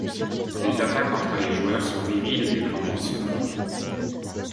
Les attaques entre les joueurs sont viriles et les plongeons sonores.